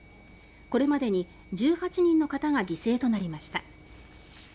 これまでに１８人の方が犠牲となりました。